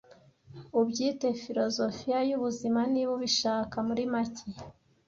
ubyite filozofiya yubuzima, niba ubishaka. Muri make,